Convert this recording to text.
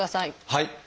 はい。